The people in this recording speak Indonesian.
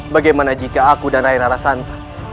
bagaimana jika aku dan rai rara santa